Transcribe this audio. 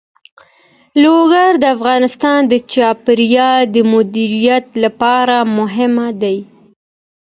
لوگر د افغانستان د چاپیریال د مدیریت لپاره مهم دي.